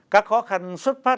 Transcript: các khó khăn xuất phát